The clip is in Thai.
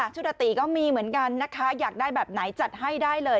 ชุดอาตีก็มีเหมือนกันนะคะอยากได้แบบไหนจัดให้ได้เลย